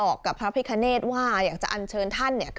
บอกกับพระพิคเนธว่าอยากจะอันเชิญท่านเนี่ย